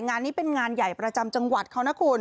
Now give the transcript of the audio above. งานนี้เป็นงานใหญ่ประจำจังหวัดเขานะคุณ